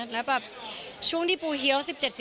แล้วแบบช่วงที่ปูเฮียว๑๗๑